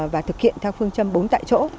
và thực hiện theo phương châm bốn tại chỗ